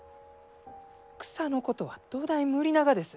草のことはどだい無理ながです。